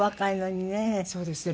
そうですね。